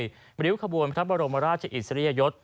วืนมาดิวขบวนพระบรมราชอิสริยะยท